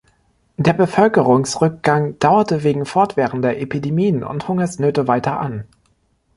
Der Bevölkerungsrückgang dauerte wegen fortwährender Epidemien und Hungersnöte weiter an.